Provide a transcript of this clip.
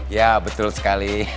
iya betul sekali